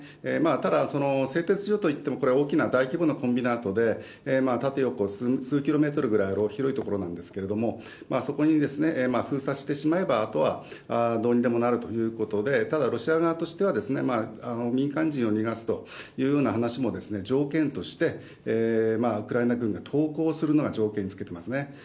ただ、製鉄所といっても、これは大きな大規模なコンビナートで、縦横数キロメートルぐらいある広い所なんですけれども、そこに封鎖してしまえば、あとはどうにでもなるということで、ただ、ロシア側としては、民間人を逃がすというふうな話も条件として、ウクライナ軍が投降するのを条件につけてますね。